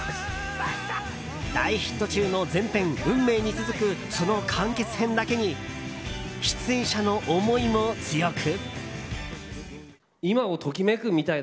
大ヒット中の前編「運命」に続くその完結編だけに出演者の思いも強く。